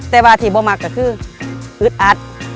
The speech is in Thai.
แต่ว่าที่ผมอาจจะคืออึดอัด